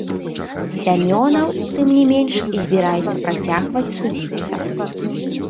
Сямёнаў, тым не менш, збіраецца працягваць судзіцца.